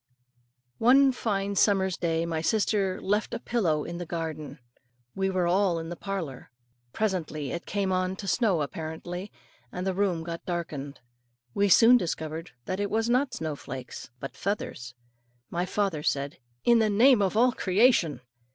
One fine summer's day my sister left a pillow in the garden. We were all in the parlour. Presently it came on to snow apparently, and the room got darkened. We soon discovered that it was not snow flakes, but feathers. My father said, "In the name of all creation!"